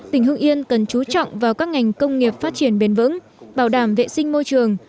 tỉnh hưng yên cần chú trọng vào các ngành công nghiệp phát triển bền vững bảo đảm vệ sinh môi trường